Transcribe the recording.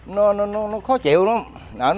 nó khó chịu lắm